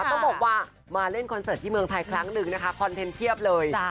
ต้องบอกว่ามาเล่นคอนเสิร์ตที่เมืองไทยครั้งหนึ่งนะคะคอนเทนต์เพียบเลย